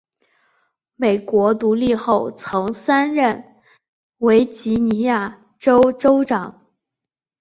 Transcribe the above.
美国独立后曾三任维吉尼亚州州长。